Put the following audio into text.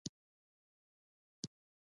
لمر ورو ورو د غرونو تر شا پټېږي.